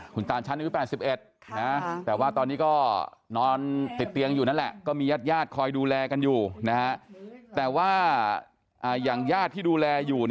คุณตาชั้นอายุ๘๑แต่ว่าตอนนี้ก็นอนติดเตียงอยู่นั่นแหละก็มีญาติญาติคอยดูแลกันอยู่นะฮะแต่ว่าอย่างญาติที่ดูแลอยู่